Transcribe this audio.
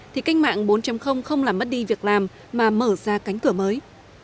thì cách mạng bốn không là mất đi việc làm mà mở ra cánh cửa mới